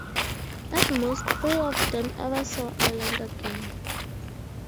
At most three of them ever saw Ireland again.